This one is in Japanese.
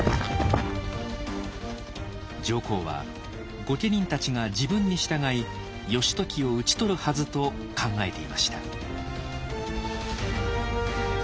上皇は御家人たちが自分に従い義時を討ちとるはずと考えていました。